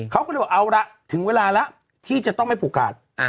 เขาก็เลยบอกเอาละถึงเวลาแล้วที่จะต้องไม่ผูกขาด